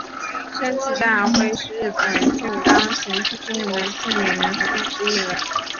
山崎大辉是日本静冈县出生的男性演员和电视艺人。